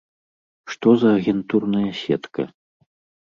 Што за агентурная сетка?